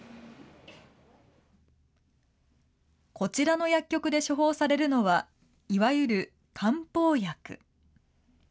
こちらの薬局で処方されるのは、いわゆる漢方薬。